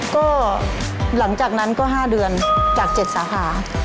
ก็หลังจากนั้นก็๕เดือนจาก๗สาขา